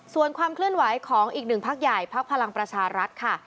ส่วนความเคลื่อนไหวของอีกหนึ่งพักใหญ่พักพลังประชารัฐค่ะ